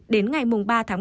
đến ngày ba tháng một mươi một